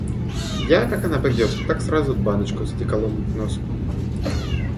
Я, как она придет, так сразу баночку с одеколоном к носу.